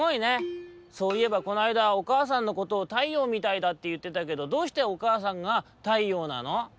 そういえばこのあいだおかあさんのことを太陽みたいだっていってたけどどうしておかあさんが太陽なの？」。